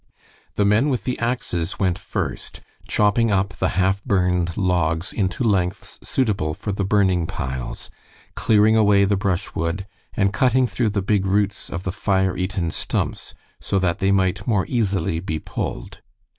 The men with the axes went first, chopping up the half burned logs into lengths suitable for the burning piles, clearing away the brushwood, and cutting through the big roots of the fire eaten stumps so that they might more easily be pulled.